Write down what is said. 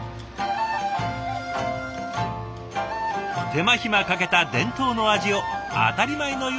手間暇かけた伝統の味を当たり前のように食べられる。